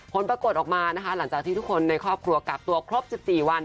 ผลปรากฏออกมานะคะหลังจากที่ทุกคนในครอบครัวกักตัวครบ๑๔วัน